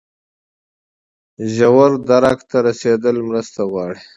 ژور درک ته رسیدل مرسته غواړي.